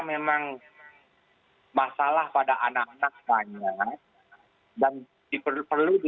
sehingga beberapa vaksin itu harus diberikan ke anak anak yang muda